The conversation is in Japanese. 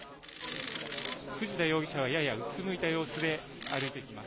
藤田容疑者はややうつむいた様子で歩いてきます。